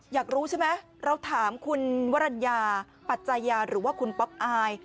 อยากรู้ใช่ไหมเราถามคุณวรรณญาปัจจัยยาหรือว่าคุณป๊อปอาย